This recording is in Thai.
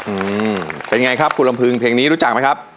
อืมเป็นไงครับคุณลำพึงเพลงนี้รู้จักไหมครับ